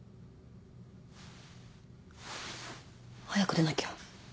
早く出なきゃ。